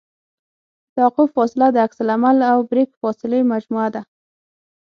د توقف فاصله د عکس العمل او بریک فاصلې مجموعه ده